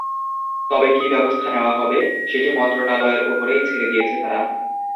তবে কী ব্যবস্থা নেওয়া হবে, সেটি মন্ত্রণালয়ের ওপরই ছেড়ে দিয়েছে তারা।